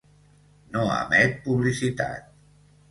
No emet publicitat.